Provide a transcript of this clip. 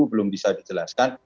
belum bisa dijelaskan